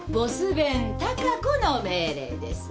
弁貴子の命令です。